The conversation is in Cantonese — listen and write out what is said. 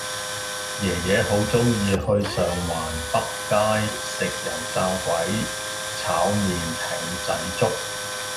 爺爺好鍾意去上環畢街食油炸鬼炒麵艇仔粥